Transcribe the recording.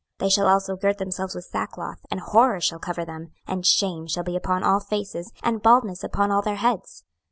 26:007:018 They shall also gird themselves with sackcloth, and horror shall cover them; and shame shall be upon all faces, and baldness upon all their heads.